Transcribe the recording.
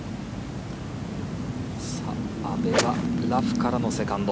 阿部はラフからのセカンド。